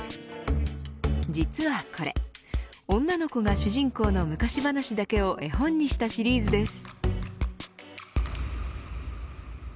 実はこれ女の子が主人公の昔話だけを絵本にしたシリーズです。